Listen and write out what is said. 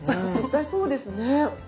絶対そうですね。